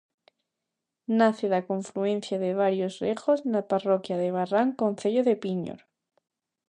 Nace da confluencia de varios regos, na parroquia de Barrán, concello de Piñor.